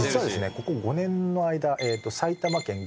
ここ５年の間埼玉県群馬県